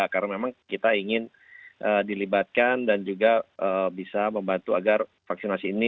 karena memang kita ingin dilibatkan dan juga bisa membantu agar vaksinasi ini